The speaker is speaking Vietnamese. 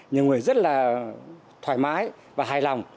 nhiều người rất là thoải mái và hài lòng